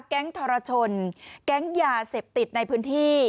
ทรชนแก๊งยาเสพติดในพื้นที่